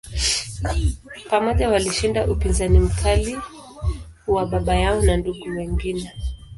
Pamoja, walishinda upinzani mkali wa baba yao na ndugu wengine.